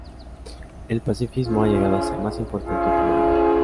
El pacifismo ha llegado a ser más importante últimamente.